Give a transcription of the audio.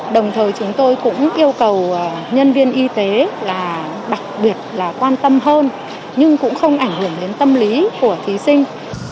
đồng thời chúng tôi cũng yêu cầu nhân viên y tế là đặc biệt là quan tâm hơn nhưng cũng không ảnh hưởng đến tâm lý của thí sinh